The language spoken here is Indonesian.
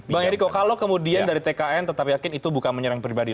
bang eriko kalau kemudian dari tkn tetap yakin itu bukan menyerang pribadi